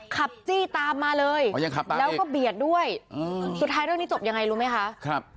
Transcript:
จี้ตามมาเลยแล้วก็เบียดด้วยสุดท้ายเรื่องนี้จบยังไงรู้ไหมคะ